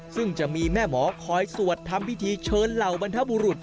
ซึ่งจะมีแม่หมอคอยสวดทำพิธีเชิญเหล่าบรรทบุรุษ